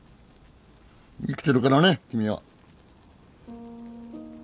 生きてるからね君は。